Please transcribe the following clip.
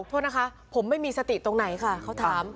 โทษนะคะผมไม่มีสติตรงไหนค่ะเขาถาม